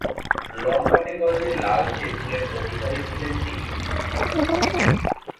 লম্বাটে গড়নের লালচে চুলের অধিকারী ছিলেন তিনি।